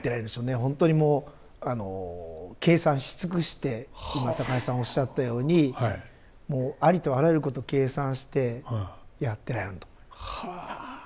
本当にもう計算し尽くして今高橋さんおっしゃったようにもうありとあらゆること計算してやってられるんだと思います。